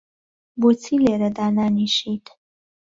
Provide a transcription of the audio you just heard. بۆچی لێرە دانانیشیت؟